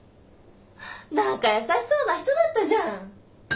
何か優しそうな人だったじゃん。